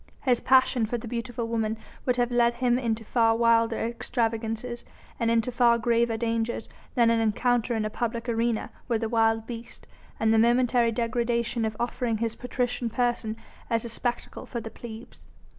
His passion for the beautiful woman would have led him into far wilder extravagances and into far graver dangers than an encounter in a public arena with a wild beast, and the momentary degradation of offering his patrician person as a spectacle for the plebs.